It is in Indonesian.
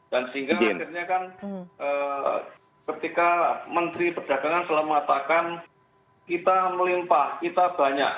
dan sehingga akhirnya kan ketika menteri perdagangan selamatakan kita melimpah kita banyak